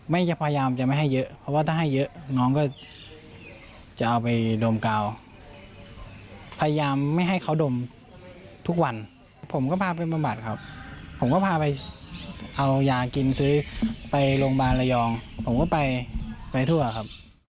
พยายามจะไม่ให้เยอะเพราะว่าถ้าให้เยอะน้องก็จะเอาไปดมกาวพยายามไม่ให้เขาดมทุกวันผมก็พาไปบำบัดครับผมก็พาไปเอายากินซื้อไปโรงพยาบาลระยองผมก็ไปไปทั่วครับ